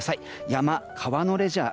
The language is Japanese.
山、川のレジャー